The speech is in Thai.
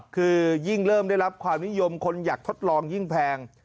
คือยิ่งเริ่มได้รับความนิยมคนอยากทดลองยิ่งแพง